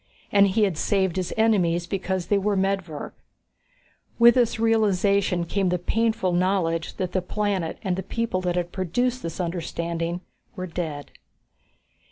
And he had saved his enemies because they were medvirk. With this realization came the painful knowledge that the planet and the people that had produced this understanding were dead.